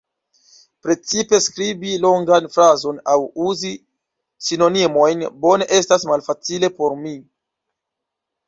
Precipe skribi longan frazon aŭ uzi sinonimojn bone estas malfacile por mi.